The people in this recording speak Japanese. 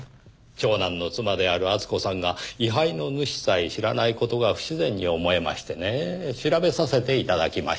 長男の妻である厚子さんが位牌の主さえ知らない事が不自然に思えましてね調べさせて頂きました。